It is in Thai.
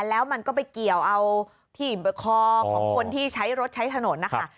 แล้วมันก็ไปเกี่ยวเอาที่คอของคนที่ใช้รถใช้ถนนนะคะ